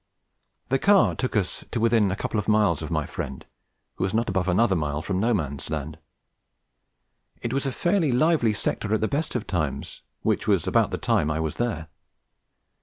The car took us to within a couple of miles of my friend, who was not above another mile from No Man's Land. It was a fairly lively sector at the best of times, which was about the time I was there.